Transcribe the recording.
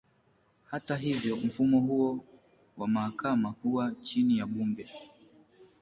Hata hivyo, mfumo huo wa mahakama huwa chini ya bunge.